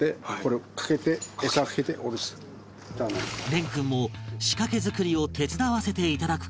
蓮君も仕掛け作りを手伝わせていただく事に